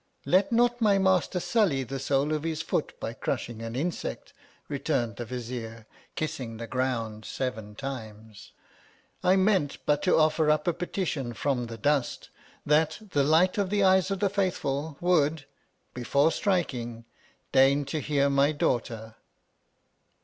Let not my master sully the sole of his foot by crushing an insect, returned the Vizier, kiss ing the ground seven times, I meant but to offer up a petition from the dust, that the Light of the eyes of the Faithful would, before striking, deign to hear my daughter.